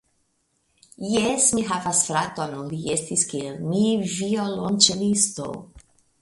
Jes, mi havas fraton, li estis, kiel mi, violonĉelisto.